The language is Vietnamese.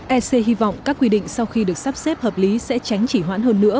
ec hy vọng các quy định sau khi được sắp xếp hợp lý sẽ tránh chỉ hoãn hơn nữa